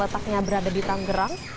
ketaknya berada di tanggerang